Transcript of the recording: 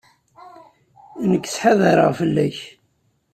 Nekk ttḥadareɣ fell-ak.